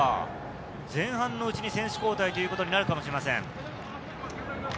前半のうちに選手交代ということになるかもしれません。